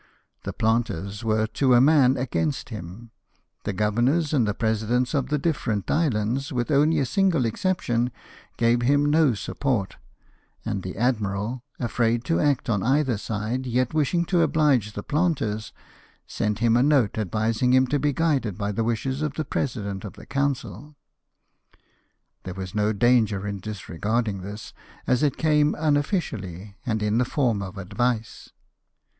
The planters were to a man against him ; the governors and the presidents of the different islands, with only a single exception, gave him no support ; and the admiral, afraid to act on either side yet wishing to oblige the planters, sent him a note advising him to be guided by the wishes of the President of the Council. There was no danger in disregarding this, as it came unofficially, and in the form of advice.